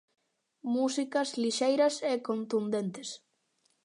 Musicas lixeiras e contundentes.